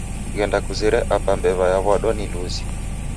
Ghenda kuzere Apa mbew'a yawa'dwa ni luzi